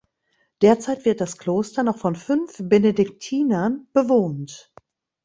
Derzeit wird das Kloster noch von fünf Benediktinern bewohnt.